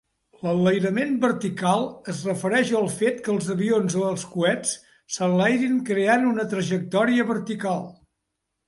L'enlairament vertical es refereix al fet que els avions o els coets s'enlairin creant una trajectòria vertical.